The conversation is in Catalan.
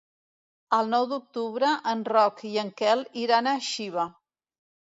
El nou d'octubre en Roc i en Quel iran a Xiva.